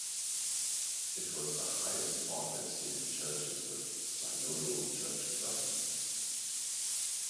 It was the highest office in churches with synodal church governance.